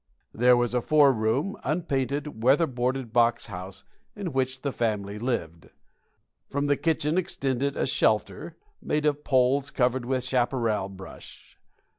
There was a four room, unpainted, weather boarded box house in which the family lived. From the kitchen extended a "shelter" made of poles covered with chaparral brush.